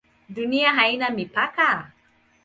Dunia haina mipaka?